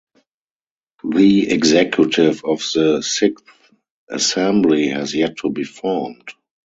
The Executive of the Sixth Assembly has yet to be formed.